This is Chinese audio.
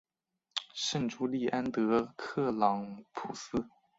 圣朱利安德克朗普斯。